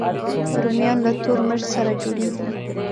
رومیان له تور مرچ سره جوړېږي